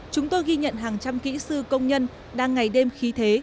chúng tôi ghi nhận hàng trăm kỹ sư công nhân đang ngày đêm khí thế